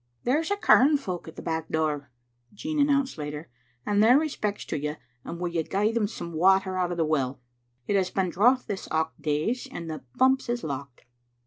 "There's a curran folk at the back door," Jean an nounced later, "and their respects to you, and would you gie them some water out o' the well? It has been a drouth this aucht days, and the pumps is locked.